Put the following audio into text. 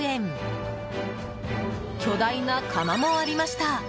巨大な釜もありました。